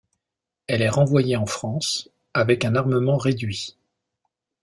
Elle est renvoyée en France, avec un armement réduit.